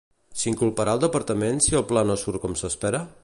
S'inculparà el departament si el pla no surt com s'espera?